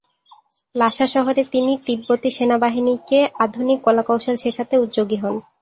লাসা শহরে তিনি তিব্বতী সেনাবাহিনীকে আধুনিক কলাকৌশল শেখাতে উদ্যোগী হন।